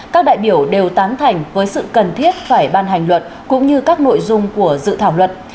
các đại biểu đều tán thành với sự cần thiết phải ban hành luật cũng như các nội dung của dự thảo luật